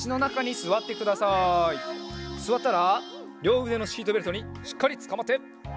すわったらりょううでのシートベルトにしっかりつかまって。